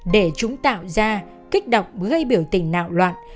để chúng tạo ra kích đọc gây biểu tình nạo loạn